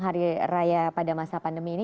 hari raya pada masa pandemi ini